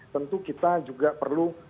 tentu kita juga perlu